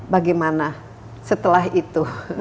bagaimana setelah itu